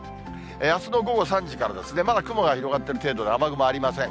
あすの午後３時からですね、まだ雲が広がってる程度で、雨雲ありません。